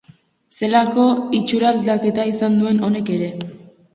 Zelako itxuraldaketa izan duen honek ere!